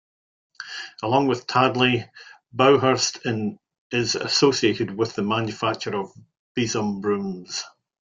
Along with Tadley, Baughurst is associated with the manufacture of besom brooms.